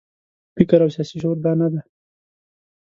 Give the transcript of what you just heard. فکر او سیاسي شعور دا نه دی.